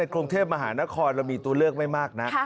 กรุงเทพมหานครเรามีตัวเลือกไม่มากนัก